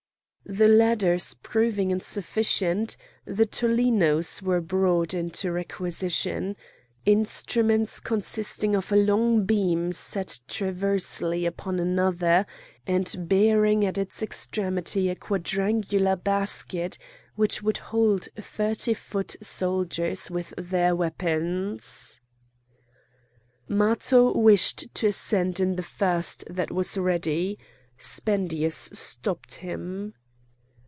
The ladders proving insufficient the tollenos were brought into requisition,—instruments consisting of a long beam set transversely upon another, and bearing at its extremity a quadrangular basket which would hold thirty foot soldiers with their weapons. Matho wished to ascend in the first that was ready. Spendius stopped him.